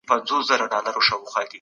تعاون د ټولني ژوند ښه کوي.